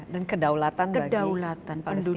dan kedaulatan bagi palestina itu sendiri